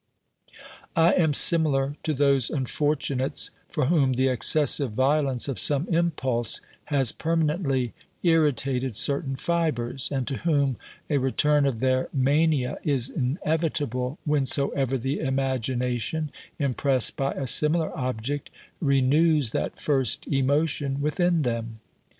I am similar to those unfortunates for whom the excessive violence of some impulse has permanently irri tated certain fibres, and to whom a return of their mania is inevitable whensoever the imagination, impressed by a similar object, renews that first emotion within them.